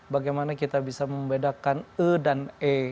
bagaimana kita bisa membedakan e dan e